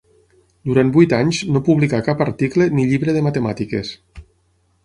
Durant vuit anys no publicà cap article ni llibre de matemàtiques.